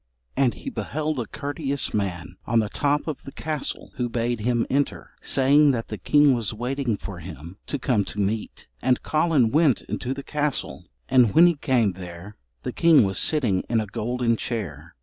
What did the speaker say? And he beheld a courteous man on the top of the castle who bade him enter, saying that the king was waiting for him to come to meat. And Collen went into the castle, and when he came there the king was sitting in a golden chair.